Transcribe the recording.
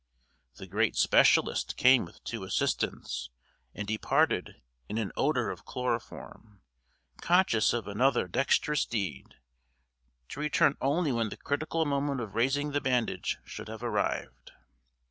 The great specialist came with two assistants, and departed in an odour of chloroform, conscious of another dexterous deed, to return only when the critical moment of raising the bandage should have arrived.